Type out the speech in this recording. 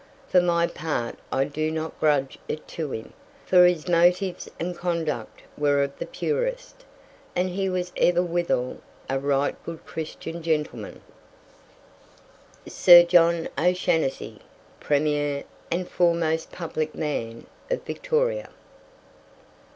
For my part I do not grudge it to him, for his motives and conduct were of the purest, and he was ever withal a right good Christian gentleman. SIR JOHN O'SHANASSY, PREMIER, AND FOREMOST PUBLIC MAN OF VICTORIA.